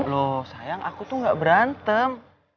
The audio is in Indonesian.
loh sayang aku tuh gak berantem